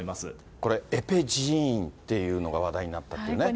これ、エペジーーンっていうのが話題になったってね。